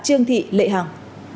chương thị lệ hàng